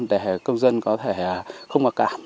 để công dân có thể không ngọt cảm